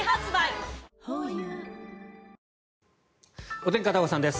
お天気、片岡さんです。